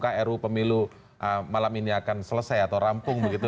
k r u pemilu malam ini akan selesai atau rampung